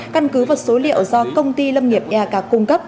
căn cứ vật số liệu do công ty lâm nghiệp ek cung cấp